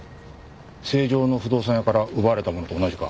成城の不動産屋から奪われたものと同じか？